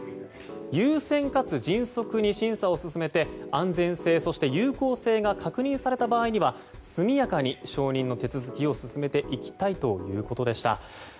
優先かつ迅速に審査を進めて安全性、そして有効性が確認された場合には速やかに承認の手続きを進めていきたいということでした。